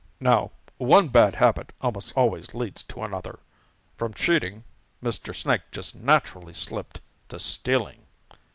"Now one bad habit almost always leads to another. From cheating, Mr. Snake just naturally slipped to stealing.